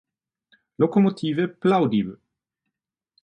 Lokomotive Plowdiw